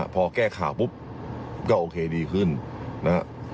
พอแก้ข่าวปุ๊บก็โอเคดีขึ้นนะครับ